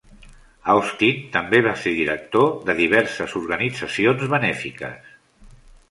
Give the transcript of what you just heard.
Austin també va ser director de diverses organitzacions benèfiques.